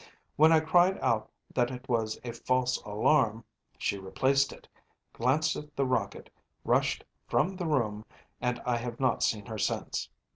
When I cried out that it was a false alarm, she replaced it, glanced at the rocket, rushed from the room, and I have not seen her since.